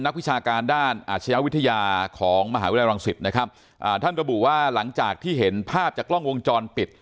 วิชาการด้านอาชญาวิทยาของมหาวิทยาลังศิษย์นะครับอ่าท่านระบุว่าหลังจากที่เห็นภาพจากกล้องวงจรปิด